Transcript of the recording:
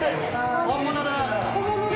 本物だ！